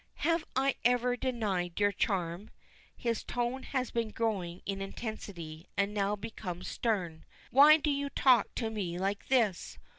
"Have I ever denied your charm?" His tone has been growing in intensity, and now becomes stern. "Why do you talk to me like this?